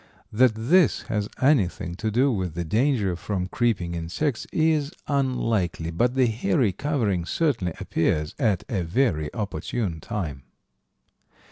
That this has anything to do with the danger from creeping insects is unlikely, but the hairy covering certainly appears at a very opportune time.